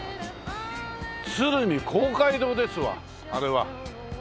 鶴見公会堂ですわあれは。